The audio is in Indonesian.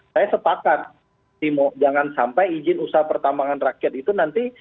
saya sepakat jangan sampai izin usaha pertambangan rakyat itu nanti